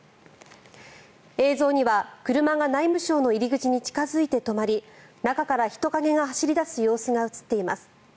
映像には、車が内務省の入り口に近付いて止まり中から人影が走り出す様子が映っています。